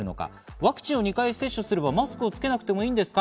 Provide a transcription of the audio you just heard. ワクチンを２回接種すればマスクをつけなくてもいいんですか？